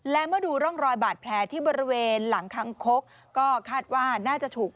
และเมื่อดูร่องรอยบาดแผลที่บริเวณหลังคางคกก็คาดว่าน่าจะถูก